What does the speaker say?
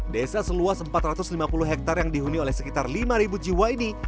desa seluas empat ratus lima puluh hektare yang dihuni oleh sekitar lima jiwa ini